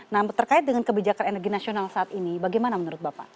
nah terkait dengan kebijakan energi nasional saat ini bagaimana menurut bapak